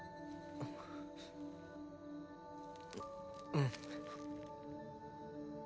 ううん。